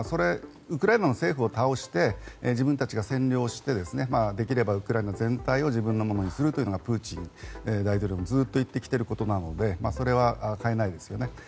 ウクライナの政府を倒して自分たちが占領してできればウクライナ全体を自分のものにするということがプーチン大統領もずっと言ってきていることなのでそれは変えないですよね。